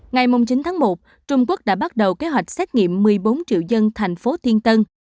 ngày chín tháng một trung quốc đã bắt đầu kế hoạch xét nghiệm một mươi bốn triệu dân thành phố thiên tân